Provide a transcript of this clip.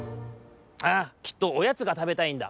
ああきっとおやつがたべたいんだ。